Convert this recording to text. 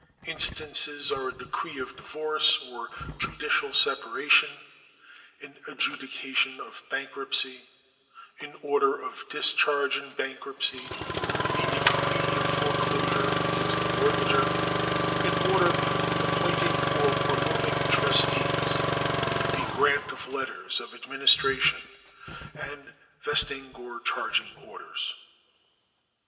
Instances are a decree of divorce or judicial separation, an adjudication of bankruptcy, an order of discharge in bank ruptcy, a decree of foreclosure against a mortgagor, an order appointing or removing trustees, a grant of letters of adminis tration, and vesting or charging orders.